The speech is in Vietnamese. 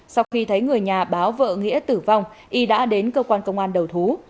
sau khi thấy người nhà báo vợ nghĩa tử vong y đã đến cơ quan công an đầu thú